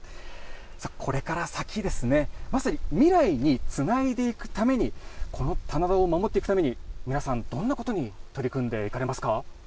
これから先、まさに未来につないでいくために、この棚田を守っていくために、皆さん、どんなことに取り組んでいかれますか？